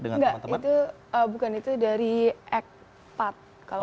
nggak itu bukan itu dari egpat kalau misalnya